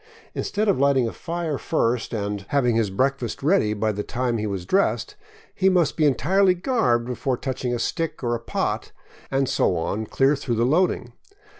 Instead of lighting a fire first and 567 VAGABONDING DOWN THE ANDES having his breakfast ready by the time he was dressed, he must be entirely garbed before touching a stick or a pot; and so on clear through the loading.